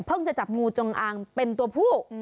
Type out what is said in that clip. จะจับงูจงอางเป็นตัวผู้